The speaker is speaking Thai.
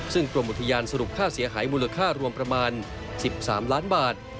ซึ่งกรมอุทยานสรุปค่าเสียหายมูลค่ารวมประมาณ๑๓ล้านบาท